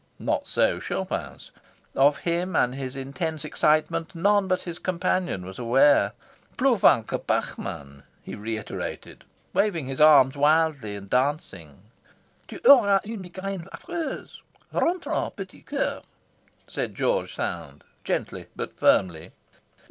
Not so Chopin's. Of him and his intense excitement none but his companion was aware. "Plus fin que Pachmann!" he reiterated, waving his arms wildly, and dancing. "Tu auras une migraine affreuse. Rentrons, petit coeur!" said George Sand, gently but firmly.